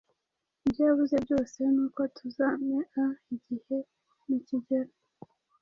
Ibyo yavuze byose ni uko tuzamea igihe nikigera.